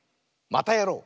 「またやろう！」。